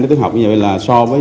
để tiểu học như vậy là so với